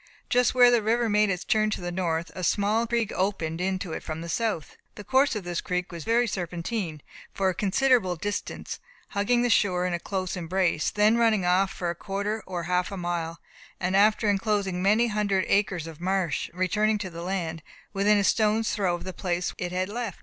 Just where the river made its turn to the north, a small creek opened into it from the south. The course of this creek was very serpentine; for a considerable distance hugging the shore in a close embrace, then running off for a quarter or half a mile, and after enclosing many hundred acres of marsh, returning to the land, within a stone's throw of the place which it had left.